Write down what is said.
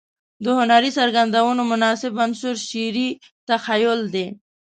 د هنري څرګندونو مناسب عنصر شعري تخيل دى.